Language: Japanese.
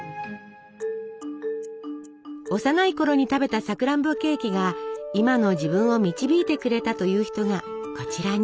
幼いころに食べたさくらんぼケーキが今の自分を導いてくれたという人がこちらに。